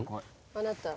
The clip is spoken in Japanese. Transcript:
あなた。